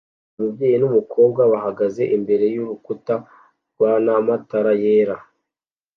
Umubyeyi numukobwa bahagaze imbere yurukuta rwana matara yera